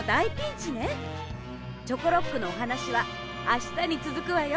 チョコロックのおはなしはあしたにつづくわよ。